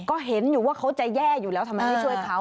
ก็เห็นอยู่ว่าเขาจะแย่อยู่แล้วทำไมไม่ช่วยเขา